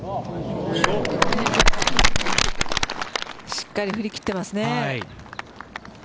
しっかり振りきってますね。